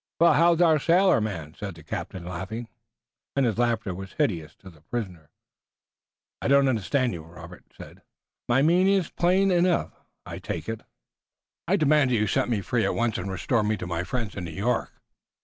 "Well, how's our sailorman?" said the captain, laughing, and his laughter was hideous to the prisoner. "I don't understand you," said Robert. "My meaning is plain enough, I take it." "I demand that you set me free at once and restore me to my friends in New York."